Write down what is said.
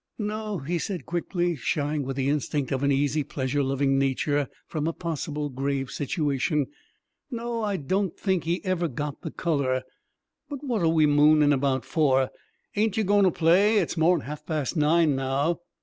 "No," he said quickly, shying with the instinct of an easy pleasure loving nature from a possible grave situation. "No, I don't think he ever got the color! But wot are ye moonin' about for? Ain't ye goin' to play? It's mor' 'n half past nine now."